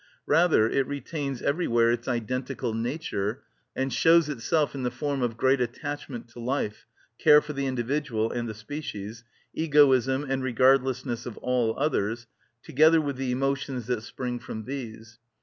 Rather it retains everywhere its identical nature and shows itself in the form of great attachment to life, care for the individual and the species, egoism and regardlessness of all others, together with the emotions that spring from these.